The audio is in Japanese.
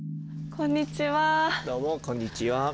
こんにちは。